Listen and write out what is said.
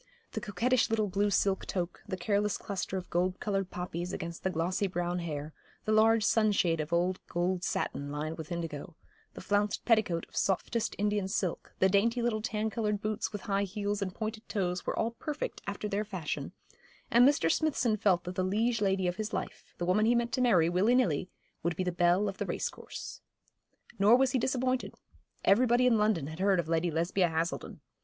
The coquettish little blue silk toque, the careless cluster of gold coloured poppies, against the glossy brown hair, the large sunshade of old gold satin lined with indigo, the flounced petticoat of softest Indian silk, the dainty little tan coloured boots with high heels and pointed toes, were all perfect after their fashion; and Mr. Smithson felt that the liege lady of his life, the woman he meant to marry willy nilly, would be the belle of the race course. Nor was he disappointed. Everybody in London had heard of Lady Lesbia Haselden.